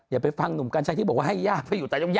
อย่าไปฟังหนุ่มกันใช่ที่บอกว่าให้ย่าไปอยู่